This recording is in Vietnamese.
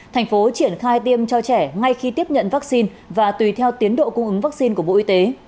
thành phố triển khai tiêm cho trẻ ngay khi tiếp nhận vaccine và tùy theo tiến độ cung ứng vaccine của bộ y tế